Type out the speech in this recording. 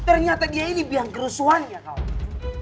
ternyata dia ini biang kerusuhan ya kaw